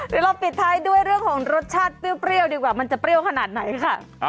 เดี๋ยวเราปิดท้ายด้วยเรื่องของรสชาติเปรี้ยวดีกว่ามันจะเปรี้ยวขนาดไหนค่ะ